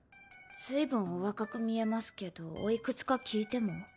ずいぶんお若く見えますけどお幾つか聞いても？